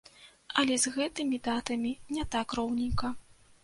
Але з гэтымі датамі не так роўненька.